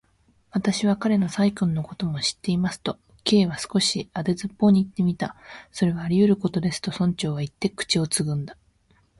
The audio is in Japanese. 「私は彼の細君のことも知っています」と、Ｋ は少し当てずっぽうにいってみた。「それはありうることです」と、村長はいって、口をつぐんだ。